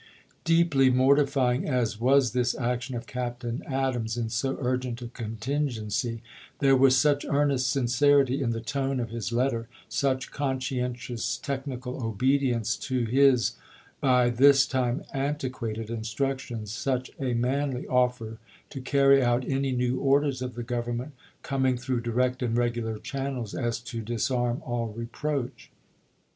Deeply mortifying as was this action of Captain Adams in so urgent a contingency, there was such earnest sincerity in the tone of his letter, such conscientious technical obedience to his by this time antiquated instructions, such a manly offer to carry out any new orders of the Government com ing through direct and regular channels, as to dis arm all reproach.